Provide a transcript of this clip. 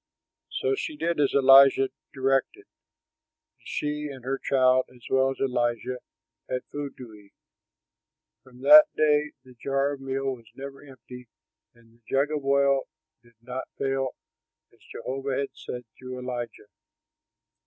'" So she did as Elijah directed; and she and her child, as well as Elijah, had food to eat. From that day the jar of meal was never empty and the jug of oil did not fail, as Jehovah had said through Elijah.